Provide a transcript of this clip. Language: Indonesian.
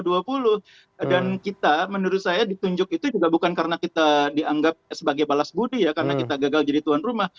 dan kita menurut saya ditunjuk itu juga bukan karena kita dianggap sebagai balas budi ya karena kita gagal jadi tuan rumah